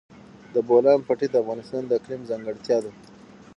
د بولان پټي د افغانستان د اقلیم ځانګړتیا ده.